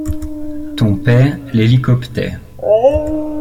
Ton père l'hélicoptère.